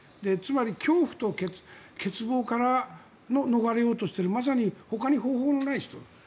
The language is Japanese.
つまり、恐怖と欠乏から逃れようとしているまさに、ほかに方法のない人。